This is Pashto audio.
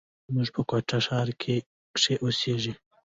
موږ په کوټه ښار کښي اوسېږي.